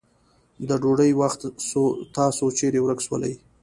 د ډوډی وخت سو تاسو چیري ورک سولې.